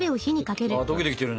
溶けてきてるね。